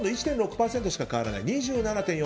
１．６％しか変わらない。